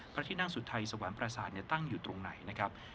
พระที่นั่งสุธัยสวรรค์ปราสาทตั้งอยู่ตรงไหน